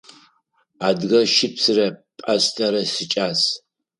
Адыгэ щыпсрэ пӏастэрэ сикӏас.